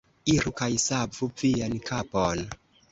Iru kaj savu vian kapon!